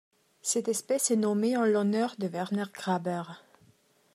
Cette espèce est nommée en l'honneur de Werner Graber.